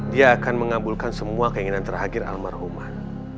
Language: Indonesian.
dia akan mengabulkan semua keinginan terakhir almarhumah